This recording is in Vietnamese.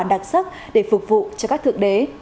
đặc sắc để phục vụ cho các thượng đế